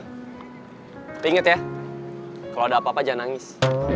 tapi inget ya kalau ada apa apa jangan nangis